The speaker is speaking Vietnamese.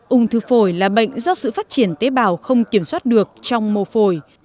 ung thư phổi là bệnh do sự phát triển tế bào không kiểm soát được trong mô phổi